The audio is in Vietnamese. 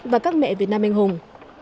và các mẹ việt nam anh hùng